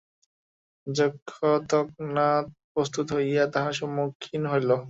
যক্ষও তৎক্ষণাৎ প্রস্তুত হইয়া তাঁহার সম্মুখীন হইল।